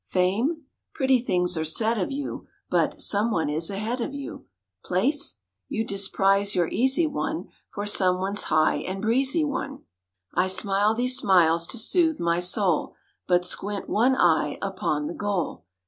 Fame? Pretty things are said of you, But some one is ahead of you. Place? You disprize your easy one For some one's high and breezy one. (I smile these smiles to soothe my soul, But squint one eye upon the goal.)